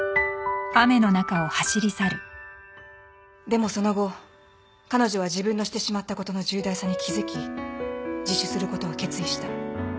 でもその後彼女は自分のしてしまったことの重大さに気付き自首することを決意した。